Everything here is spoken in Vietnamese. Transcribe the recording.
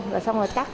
rồi xong rồi tắt